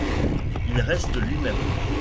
Il reste lui-même.